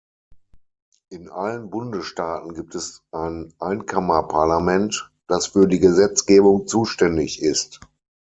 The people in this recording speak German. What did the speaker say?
In allen Bundesstaaten gibt es ein Einkammerparlament, das für die Gesetzgebung zuständig ist.